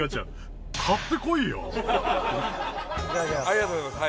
ありがとうございます。